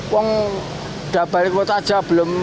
uang udah balik kota aja